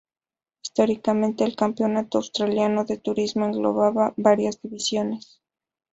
Históricamente, el Campeonato Australiano de Turismos englobaba varias divisiones.